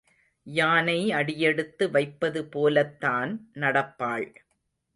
யானை அடியெடுத்து வைப்பது போலத்தான் நடப்பாள்.